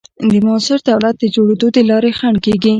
د موثر دولت د جوړېدو د لارې خنډ کېږي.